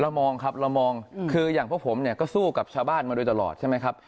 มองครับเรามองคืออย่างพวกผมเนี่ยก็สู้กับชาวบ้านมาโดยตลอดใช่ไหมครับ